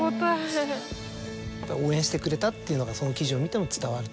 応援してくれたっていうのがその記事を見ても伝わると。